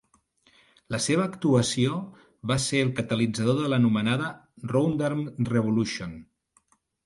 La seva actuació va ser el catalitzador de l'anomenada "roundarm revolution".